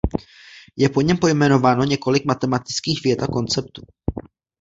Je po něm pojmenováno několik matematických vět a konceptů.